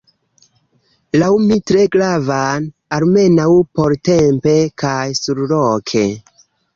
Laŭ mi tre gravan, almenaŭ portempe kaj surloke.